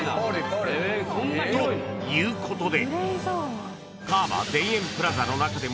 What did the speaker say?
［ということで］